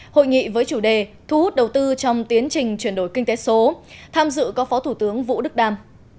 hội nghị với chủ đề thu hút đầu tư trong tiến trình chuyển đổi kinh tế số tham dự có phó thủ tướng vũ đức đam